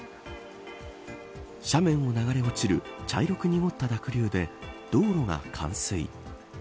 斜面を流れ落ちる茶色く濁った濁流で道路が冠水。